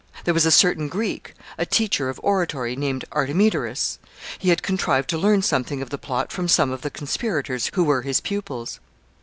There was a certain Greek, a teacher of oratory, named Artemidorus. He had contrived to learn something of the plot from some of the conspirators who were his pupils.